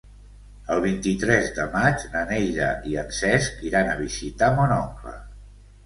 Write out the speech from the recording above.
El vint-i-tres de maig na Neida i en Cesc iran a visitar mon oncle.